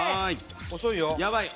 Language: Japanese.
遅いよ。